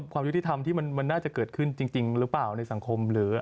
ความยุติธรรมที่มันน่าจะเกิดขึ้นจริงหรือเปล่าในสังคมหรือ